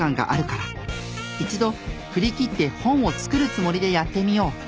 一度振り切って本を作るつもりでやってみよう！